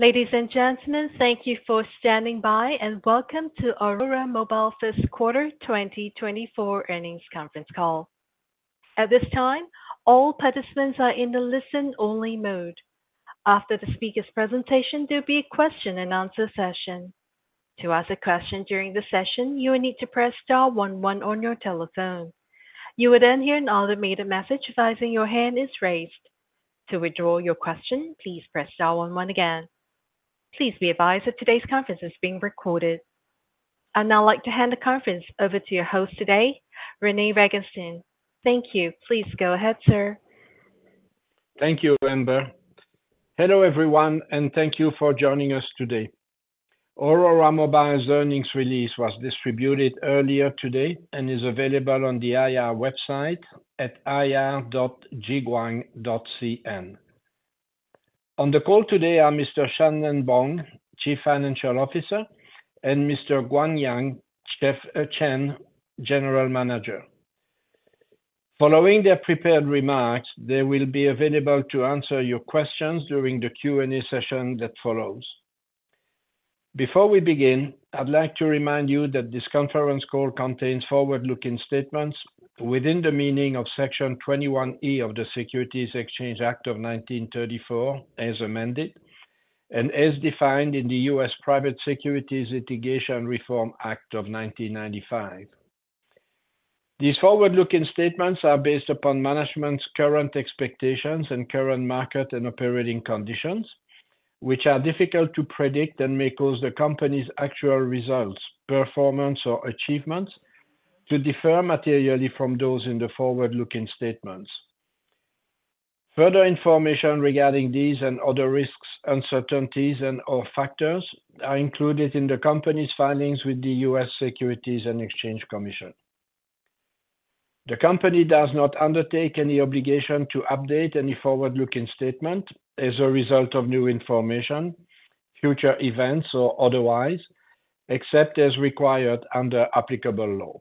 Ladies and gentlemen, thank you for standing by, and welcome to Aurora Mobile's First Quarter 2024 earnings conference call. At this time, all participants are in the listen-only mode. After the speaker's presentation, there'll be a question-and-answer session. To ask a question during the session, you will need to press star one one on your telephone. You will then hear an automated message advising your hand is raised. To withdraw your question, please press star one one again. Please be advised that today's conference is being recorded. I'd now like to hand the conference over to your host today, René Vanguestaine. Thank you. Please go ahead, sir. Thank you, Amber. Hello, everyone, and thank you for joining us today. Aurora Mobile's earnings release was distributed earlier today and is available on the IR website at ir.jiguang.cn. On the call today are Mr. Shan-Nen Bong, Chief Financial Officer, and Mr. Guangyang Chen, General Manager. Following their prepared remarks, they will be available to answer your questions during the Q&A session that follows. Before we begin, I'd like to remind you that this conference call contains forward-looking statements within the meaning of Section 21E of the Securities Exchange Act of 1934, as amended, and as defined in the U.S. Private Securities Litigation Reform Act of 1995. These forward-looking statements are based upon management's current expectations and current market and operating conditions, which are difficult to predict and may cause the company's actual results, performance, or achievements to differ materially from those in the forward-looking statements. Further information regarding these and other risks, uncertainties, and/or factors are included in the company's filings with the U.S. Securities and Exchange Commission. The company does not undertake any obligation to update any forward-looking statement as a result of new information, future events, or otherwise, except as required under applicable law.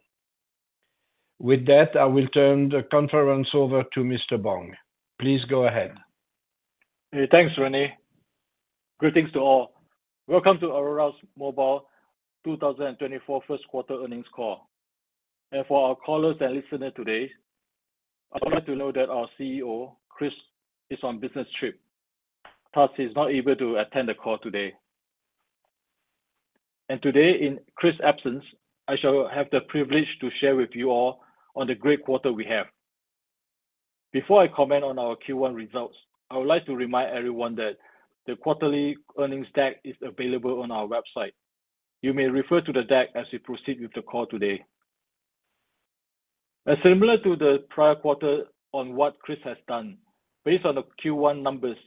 With that, I will turn the conference over to Mr. Bong. Please go ahead. Hey, thanks, René. Greetings to all. Welcome to Aurora Mobile's 2024 first quarter earnings call. For our callers and listeners today, I'd like to know that our CEO, Chris, is on business trip, thus he's not able to attend the call today. Today, in Chris' absence, I shall have the privilege to share with you all on the great quarter we have. Before I comment on our Q1 results, I would like to remind everyone that the quarterly earnings deck is available on our website. You may refer to the deck as we proceed with the call today. Similar to the prior quarter on what Chris has done, based on the Q1 numbers,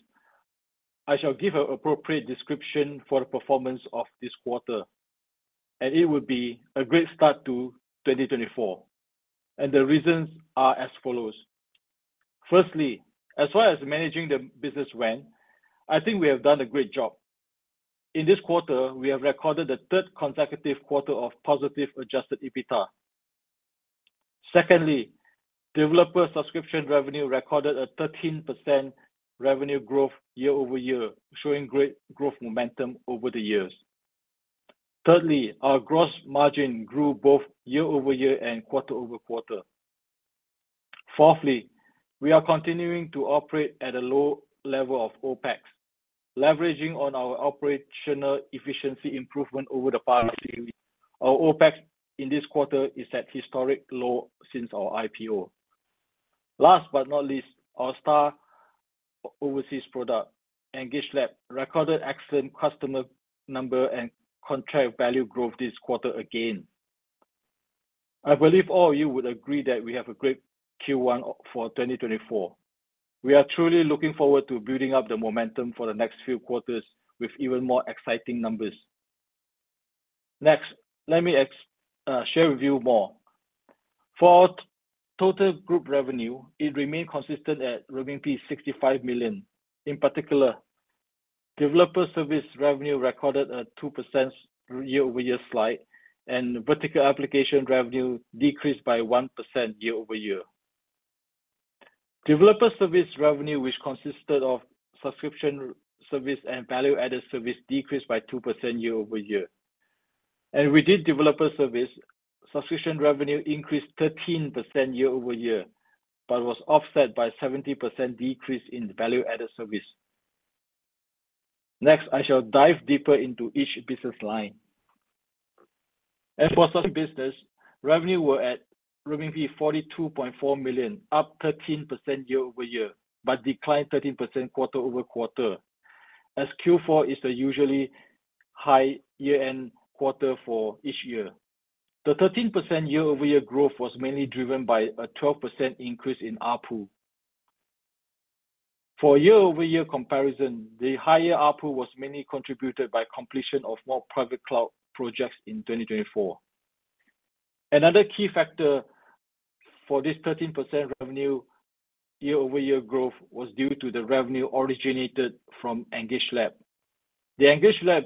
I shall give an appropriate description for the performance of this quarter, and it would be a great start to 2024, and the reasons are as follows: firstly, as far as managing the business went, I think we have done a great job. In this quarter, we have recorded the third consecutive quarter of positive Adjusted EBITDA. Secondly, developer subscription revenue recorded a 13% revenue growth year-over-year, showing great growth momentum over the years. Thirdly, our gross margin grew both year-over-year and quarter-over-quarter. Fourthly, we are continuing to operate at a low level of OpEx, leveraging on our operational efficiency improvement over the past few years. Our OpEx in this quarter is at historic low since our IPO. Last but not least, our star overseas product, EngageLab, recorded excellent customer number and contract value growth this quarter again. I believe all of you would agree that we have a great Q1 for 2024. We are truly looking forward to building up the momentum for the next few quarters with even more exciting numbers. Next, let me share with you more. For our total group revenue, it remained consistent at 65 million. In particular, developer service revenue recorded a 2% year-over-year slide, and vertical application revenue decreased by 1% year-over-year. Developer service revenue, which consisted of subscription, service, and value-added service, decreased by 2% year-over-year. And within developer service, subscription revenue increased 13% year-over-year, but was offset by 70% decrease in value-added service. Next, I shall dive deeper into each business line. As for some business, revenue were at 42.4 million, up 13% year-over-year, but declined 13% quarter-over-quarter, as Q4 is a usually high year-end quarter for each year. The 13% year-over-year growth was mainly driven by a 12% increase in ARPU. For year-over-year comparison, the higher ARPU was mainly contributed by completion of more private cloud projects in 2024. Another key factor for this 13% revenue year-over-year growth was due to the revenue originated from EngageLab. The EngageLab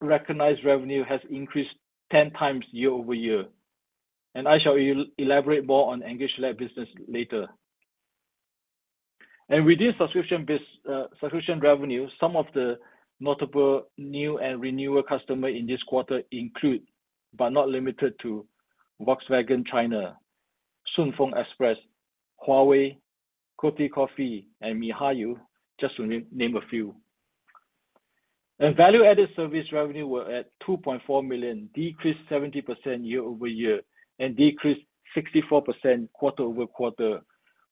recognized revenue has increased 10 times year-over-year, and I shall elaborate more on EngageLab business later. Within subscription bus-, subscription revenue, some of the notable new and renewal customers in this quarter include, but not limited to, Volkswagen China, SF Express, Huawei, Cotti Coffee, and miHoYo, just to name a few. Value-added service revenue was at $2.4 million, decreased 70% year-over-year, and decreased 64% quarter-over-quarter,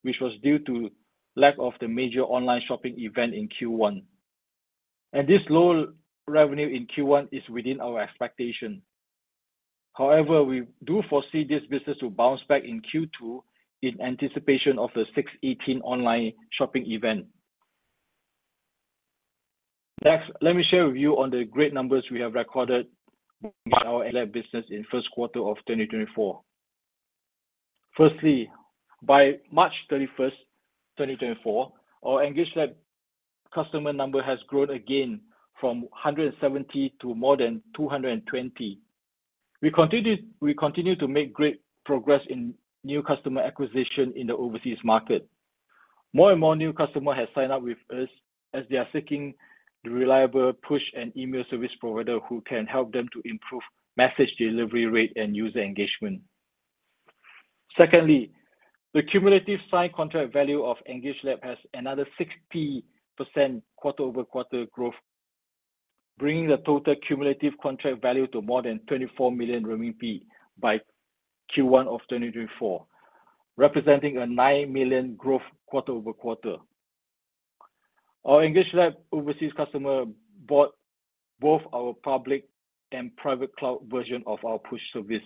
which was due to lack of the major online shopping event in Q1. This low revenue in Q1 is within our expectation. However, we do foresee this business to bounce back in Q2, in anticipation of the 618 online shopping event. Next, let me share with you on the great numbers we have recorded by our EngageLab business in first quarter of 2024. Firstly, by March 31st, 2024, our EngageLab customer number has grown again from 170 to more than 220. We continue to make great progress in new customer acquisition in the overseas market. More and more new customer have signed up with us as they are seeking the reliable push and email service provider who can help them to improve message delivery rate and user engagement. Secondly, the cumulative signed contract value of EngageLab has another 60% quarter-over-quarter growth, bringing the total cumulative contract value to more than 24 million RMB by Q1 of 2024, representing a 9 million growth quarter-over-quarter. Our EngageLab overseas customer bought both our public and private cloud version of our push service.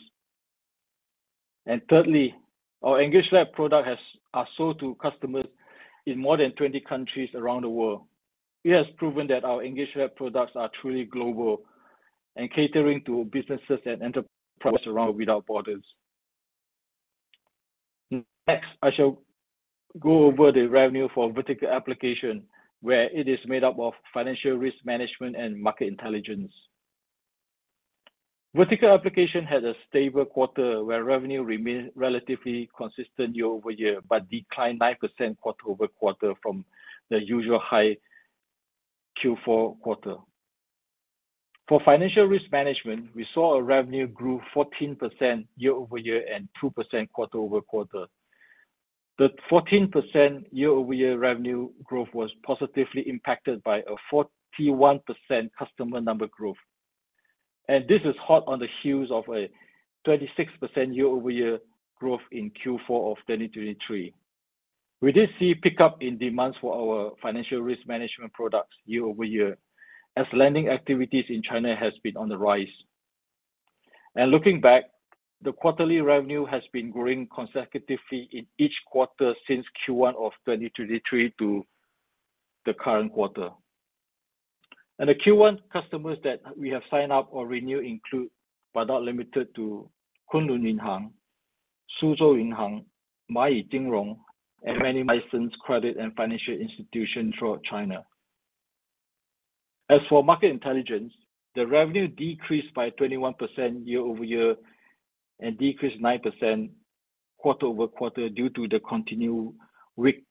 And thirdly, our EngageLab product are sold to customers in more than 20 countries around the world. It has proven that our EngageLab products are truly global and catering to businesses and enterprise around without borders. Next, I shall go over the revenue for vertical application, where it is made up of financial risk management and market intelligence. Vertical application had a stable quarter, where revenue remained relatively consistent year-over-year, but declined 9% quarter-over-quarter from the usual high Q4 quarter. For financial risk management, we saw a revenue grew 14% year-over-year and 2% quarter-over-quarter. The 14% year-over-year revenue growth was positively impacted by a 41% customer number growth, and this is hot on the heels of a 26% year-over-year growth in Q4 of 2023. We did see pickup in demands for our financial risk management products year-over-year, as lending activities in China has been on the rise. Looking back, the quarterly revenue has been growing consecutively in each quarter since Q1 of 2023 to the current quarter. The Q1 customers that we have signed up or renew include, but not limited to, Kunlun Yinhang, Suzhou Yinhang, Mayi Jingrong, and many licensed credit and financial institutions throughout China. As for market intelligence, the revenue decreased by 21% year-over-year and decreased 9% quarter-over-quarter, due to the continued weak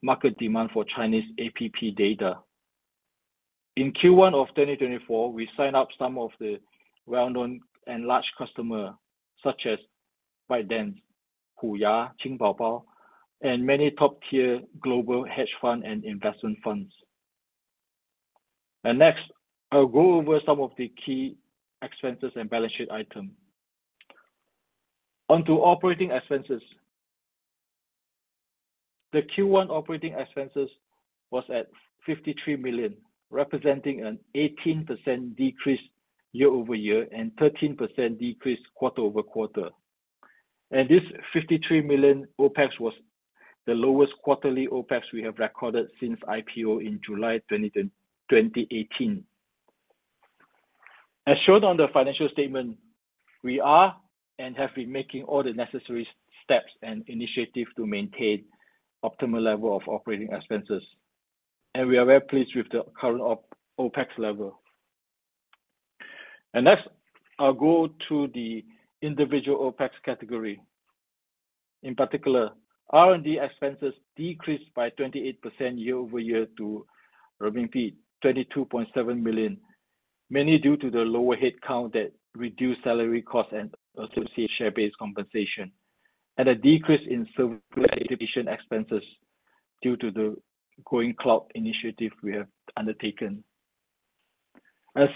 market demand for Chinese app data. In Q1 of 2024, we signed up some of the well-known and large customer, such as ByteDance, Huya, Qingbaobao, and many top-tier global hedge fund and investment funds. Next, I'll go over some of the key expenses and balance sheet item. On to operating expenses. The Q1 operating expenses was at 53 million, representing an 18% decrease year-over-year and 13% decrease quarter-over-quarter. And this 53 million OpEx was the lowest quarterly OpEx we have recorded since IPO in July 2018. As shown on the financial statement, we are and have been making all the necessary steps and initiatives to maintain optimal level of operating expenses, and we are very pleased with the current OpEx level. And next, I'll go to the individual OpEx category. In particular, R&D expenses decreased by 28% year-over-year to 22.7 million, mainly due to the lower headcount that reduced salary costs and associated share-based compensation, and a decrease in service activation expenses due to the growing cloud initiative we have undertaken.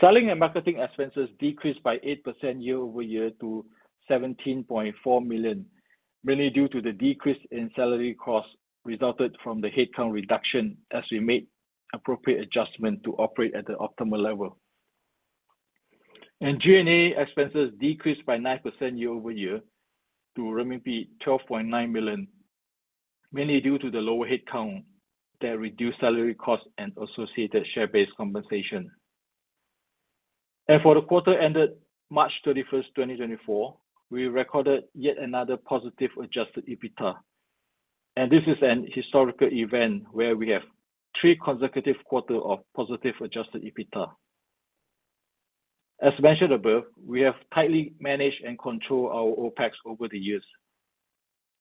Selling and marketing expenses decreased by 8% year-over-year to 17.4 million, mainly due to the decrease in salary costs resulted from the headcount reduction as we made appropriate adjustment to operate at the optimal level. G&A expenses decreased by 9% year-over-year to renminbi 12.9 million, mainly due to the lower headcount that reduced salary costs and associated share-based compensation. For the quarter ended March 31st, 2024, we recorded yet another positive adjusted EBITDA, and this is an historical event where we have 3 consecutive quarter of positive adjusted EBITDA... As mentioned above, we have tightly managed and controlled our OpEx over the years.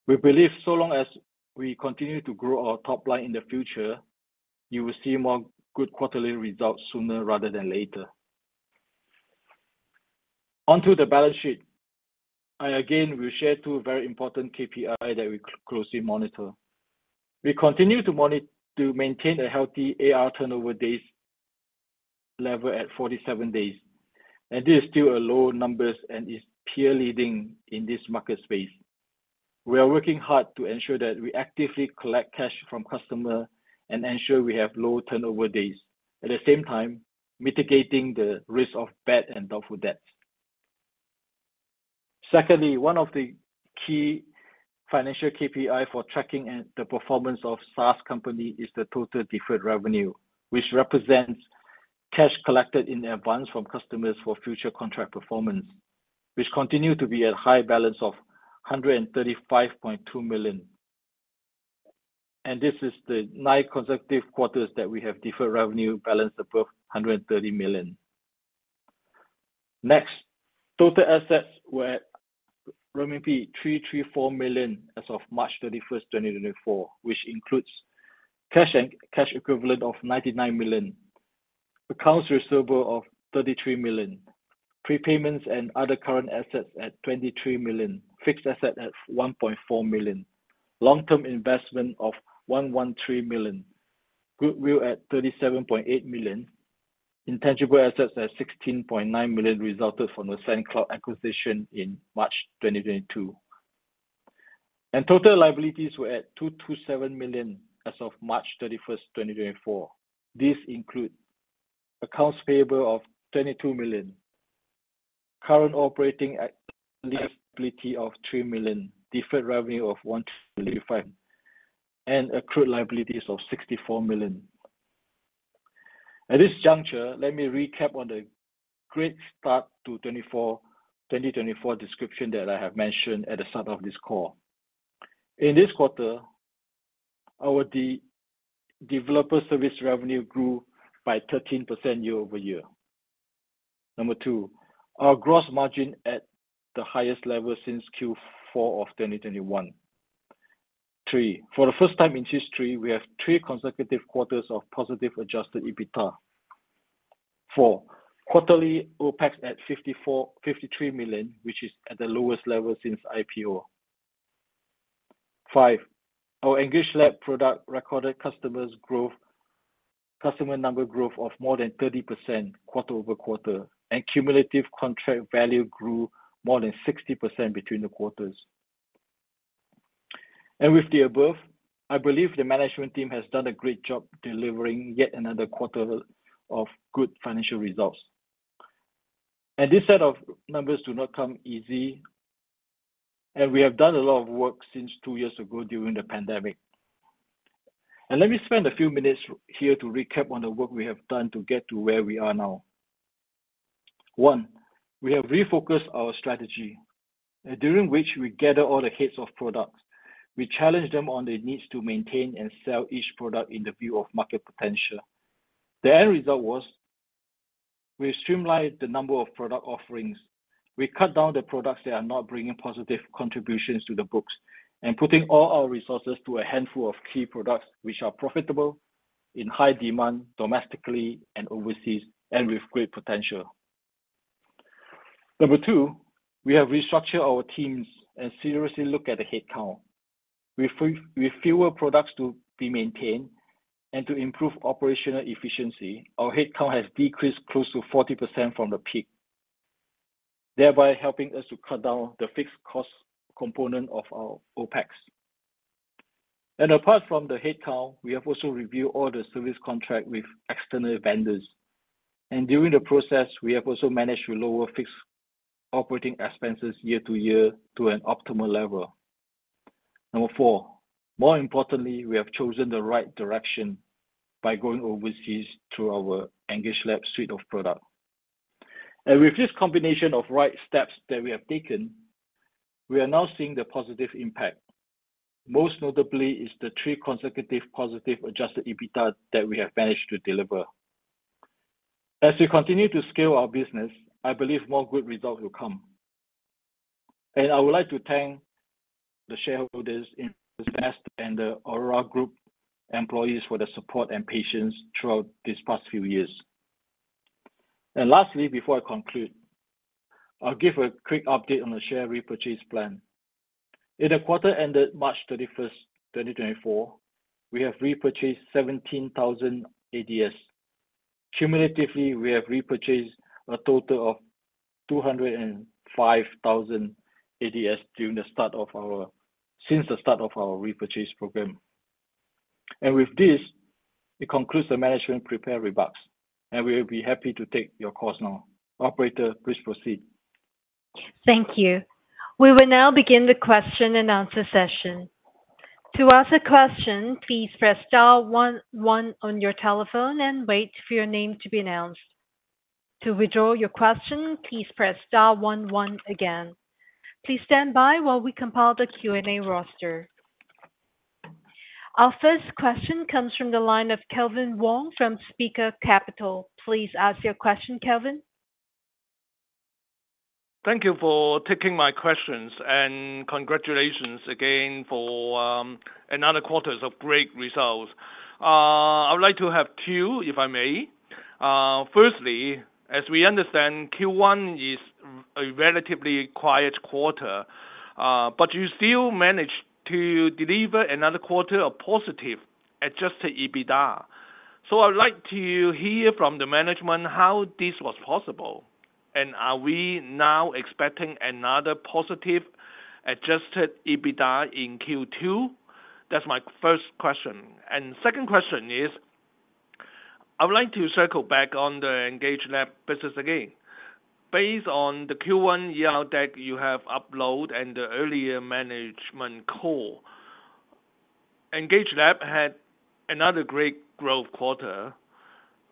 We believe so long as we continue to grow our top line in the future, you will see more good quarterly results sooner rather than later. On to the balance sheet, I again will share two very important KPIs that we closely monitor. We continue to monitor to maintain a healthy AR turnover days level at 47 days, and this is still a low number and is peer leading in this market space. We are working hard to ensure that we actively collect cash from customers and ensure we have low turnover days, at the same time, mitigating the risk of bad and doubtful debts. Secondly, one of the key financial KPIs for tracking the performance of SaaS companies is the total deferred revenue, which represents cash collected in advance from customers for future contract performance, which continues to be at a high balance of 135.2 million. And this is the 9 consecutive quarters that we have deferred revenue balance above 130 million. Next, total assets were at 334 million as of March 31st, 2024, which includes cash and cash equivalents of 99 million, accounts receivable of 33 million, prepayments and other current assets at 23 million, fixed assets at 1.4 million, long-term investment of 113 million, goodwill at 37.8 million, intangible assets at 16.9 million, resulted from the SendCloud acquisition in March 2022. Total liabilities were at 227 million as of March 31st, 2024. This includes accounts payable of 22 million, current operating liabilities of 3 million, deferred revenue of 125 million, and accrued liabilities of 64 million. At this juncture, let me recap on the great start to 2024 description that I have mentioned at the start of this call. In this quarter, our developer service revenue grew by 13% year-over-year. Number two, our gross margin at the highest level since Q4 of 2021. Three, for the first time in history, we have 3 consecutive quarters of positive adjusted EBITDA. Four, quarterly OpEx at $53 million, which is at the lowest level since IPO. Five, our EngageLab product recorded customer number growth of more than 30% quarter-over-quarter, and cumulative contract value grew more than 60% between the quarters. And with the above, I believe the management team has done a great job delivering yet another quarter of good financial results. And this set of numbers do not come easy, and we have done a lot of work since two years ago during the pandemic. Let me spend a few minutes here to recap on the work we have done to get to where we are now. One, we have refocused our strategy, and during which we gather all the heads of products. We challenge them on the needs to maintain and sell each product in the view of market potential. The end result was, we streamlined the number of product offerings. We cut down the products that are not bringing positive contributions to the books and putting all our resources to a handful of key products, which are profitable, in high demand domestically and overseas, and with great potential. Number two, we have restructured our teams and seriously look at the headcount. With fewer products to be maintained and to improve operational efficiency, our headcount has decreased close to 40% from the peak, thereby helping us to cut down the fixed cost component of our OpEx. Apart from the headcount, we have also reviewed all the service contract with external vendors. During the process, we have also managed to lower fixed operating expenses year-over-year to an optimal level. Number four, more importantly, we have chosen the right direction by going overseas through our EngageLab suite of product. With this combination of right steps that we have taken, we are now seeing the positive impact. Most notably is the three consecutive positive Adjusted EBITDA that we have managed to deliver. As we continue to scale our business, I believe more good results will come. And I would like to thank the shareholders, investors and the Aurora Group employees for their support and patience throughout these past few years. Lastly, before I conclude, I'll give a quick update on the share repurchase plan. In the quarter ended March 31st, 2024, we have repurchased 17,000 ADS. Cumulatively, we have repurchased a total of 205,000 ADS since the start of our repurchase program. And with this, it concludes the management prepared remarks, and we will be happy to take your calls now. Operator, please proceed. Thank you. We will now begin the question-and-answer session. To ask a question, please press star one one on your telephone and wait for your name to be announced. To withdraw your question, please press star one one again. Please stand by while we compile the Q&A roster.... Our first question comes from the line of Calvin Wong from Spica Capital. Please ask your question, Calvin. Thank you for taking my questions, and congratulations again for another quarter of great results. I would like to have two, if I may. Firstly, as we understand, Q1 is a relatively quiet quarter, but you still managed to deliver another quarter of positive Adjusted EBITDA. So I'd like to hear from the management how this was possible, and are we now expecting another positive Adjusted EBITDA in Q2? That's my first question. Second question is, I would like to circle back on the EngageLab business again. Based on the Q1 ER that you have uploaded and the earlier management call, EngageLab had another great growth quarter.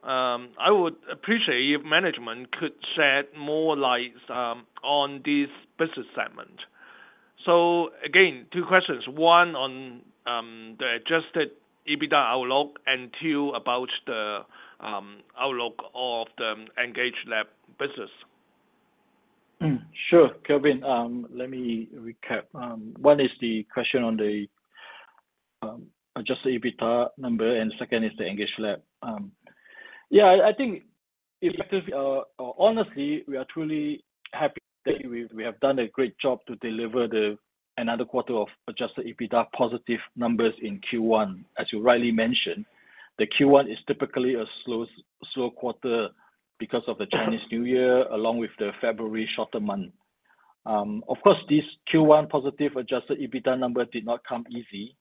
I would appreciate if management could shed more light on this business segment. So again, two questions, one on the Adjusted EBITDA outlook, and two, about the outlook of the EngageLab business. Hmm. Sure, Calvin. Let me recap. One is the question on the adjusted EBITDA number, and second is the EngageLab. Yeah, I, I think, if, honestly, we are truly happy that we, we have done a great job to deliver another quarter of adjusted EBITDA positive numbers in Q1. As you rightly mentioned, the Q1 is typically a slow, slow quarter because of the Chinese New Year, along with the February shorter month. Of course, this Q1 positive adjusted EBITDA number did not come easy.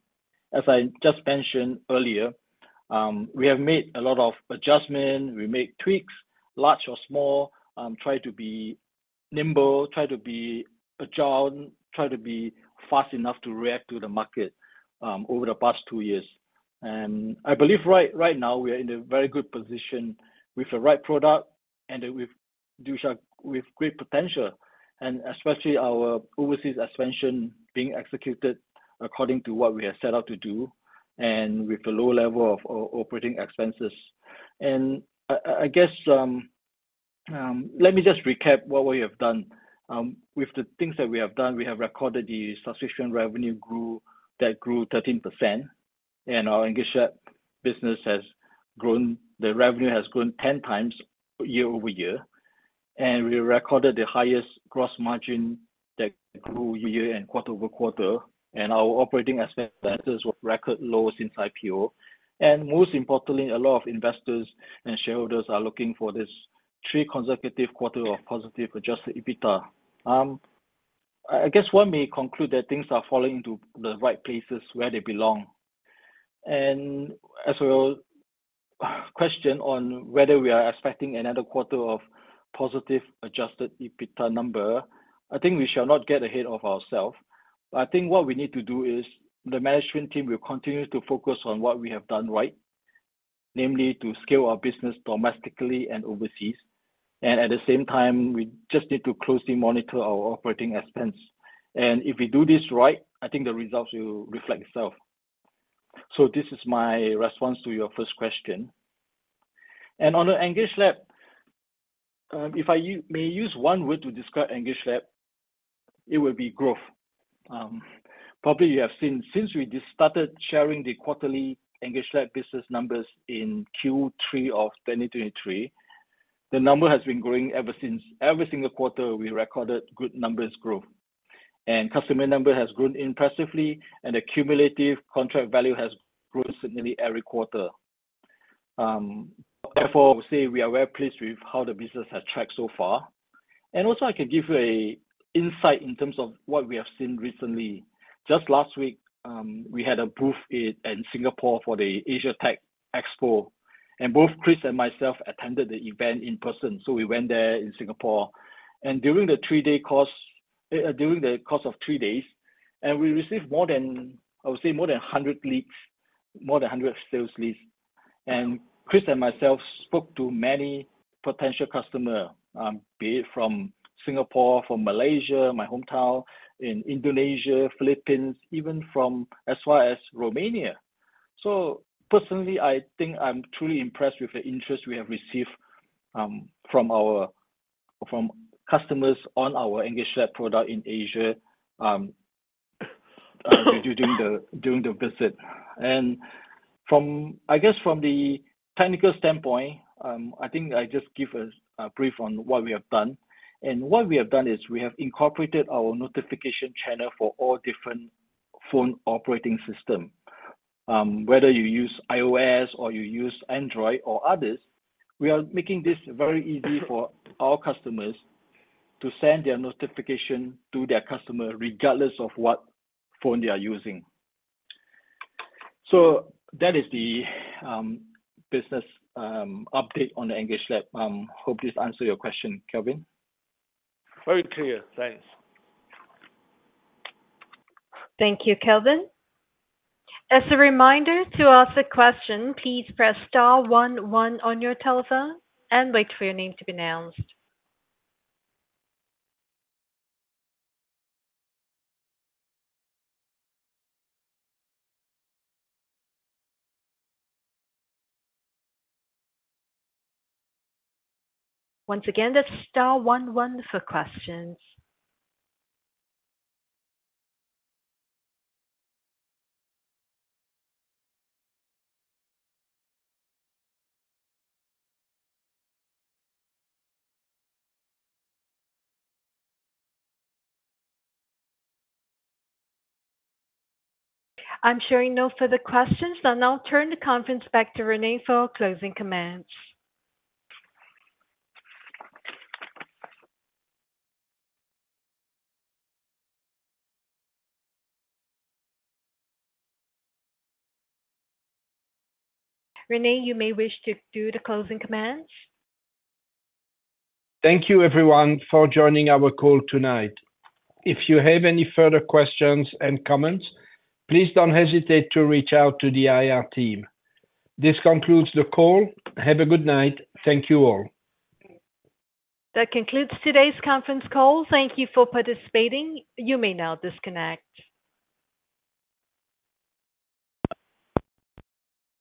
As I just mentioned earlier, we have made a lot of adjustment. We made tweaks, large or small, try to be nimble, try to be agile, try to be fast enough to react to the market, over the past two years. I believe right now, we are in a very good position with the right product and with Dusha, with great potential, and especially our overseas expansion being executed according to what we have set out to do and with a low level of operating expenses. I guess, let me just recap what we have done. With the things that we have done, we have recorded the subscription revenue grew, that grew 13%, and our EngageLab business has grown. The revenue has grown 10 times year-over-year, and we recorded the highest gross margin that grew year-over-year and quarter-over-quarter, and our operating expenses were record low since IPO. Most importantly, a lot of investors and shareholders are looking for this three consecutive quarter of positive adjusted EBITDA. I guess one may conclude that things are falling into the right places where they belong. As well, question on whether we are expecting another quarter of positive Adjusted EBITDA number. I think we shall not get ahead of ourselves. I think what we need to do is the management team will continue to focus on what we have done right, namely, to scale our business domestically and overseas, and at the same time, we just need to closely monitor our operating expense. And if we do this right, I think the results will reflect itself. So this is my response to your first question. On the EngageLab, if I may use one word to describe EngageLab, it would be growth. Probably you have seen, since we just started sharing the quarterly EngageLab business numbers in Q3 of 2023, the number has been growing ever since. Every single quarter, we recorded good numbers growth, and customer number has grown impressively, and the cumulative contract value has grown significantly every quarter. Therefore, I would say we are very pleased with how the business has tracked so far. Also, I can give you an insight in terms of what we have seen recently. Just last week, we had a booth in Singapore for the Asia Tech Expo, and both Chris and myself attended the event in person. So we went there in Singapore, and during the course of 3 days, and we received more than, I would say, more than 100 leads, more than 100 sales leads. Chris and myself spoke to many potential customers, be it from Singapore, from Malaysia, my hometown, in Indonesia, Philippines, even from as far as Romania. Personally, I think I'm truly impressed with the interest we have received from our, from customers on our EngageLab product in Asia, during the visit. From, I guess from the technical standpoint, I think I just give a brief on what we have done. What we have done is we have incorporated our notification channel for all different phone operating system. Whether you use iOS or you use Android or others, we are making this very easy for all customers to send their notification to their customer, regardless of what phone they are using. That is the business update on the EngageLab. Hope this answer your question, Calvin. Very clear. Thanks. Thank you, Calvin. As a reminder, to ask a question, please press star one one on your telephone and wait for your name to be announced. Once again, that's star one one for questions. I'm showing no further questions. I'll now turn the conference back to René for our closing comments. René, you may wish to do the closing comments. Thank you, everyone, for joining our call tonight. If you have any further questions and comments, please don't hesitate to reach out to the IR team. This concludes the call. Have a good night. Thank you, all. That concludes today's conference call. Thank you for participating. You may now disconnect.